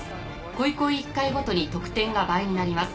「こいこい」１回ごとに得点が倍になります。